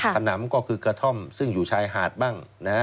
ขนำก็คือกระท่อมซึ่งอยู่ชายหาดบ้าง